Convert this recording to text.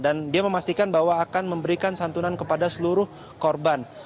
dan dia memastikan bahwa akan memberikan santunan kepada seluruh korban